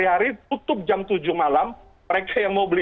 tapi ada satujn ada banyak yang berani